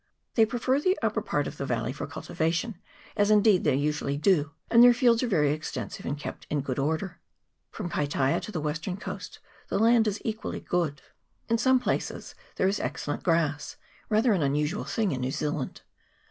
They prefer the upper part of the valley for culti vation, as indeed they usually do ; and their fields are very extensive, and kept in good order. From Kaitaia to the western coast the land is equally good. In some places there is excellent grass, rather an unusual thing in New Zealand.